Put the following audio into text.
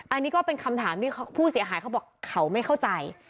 อันนี้ก็เป็นคำถามที่ผู้เสียหายเขาบอกเขาไม่เข้าใจ